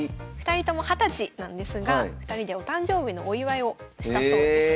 ２人とも２０歳なんですが２人でお誕生日のお祝いをしたそうです。